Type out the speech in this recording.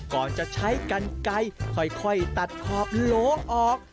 ก่อนจะใช้กันไกลค่อยตัดขอบโลงออก